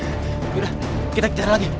yaudah kita cari lagi